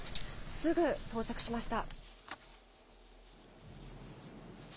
すぐ到着しました。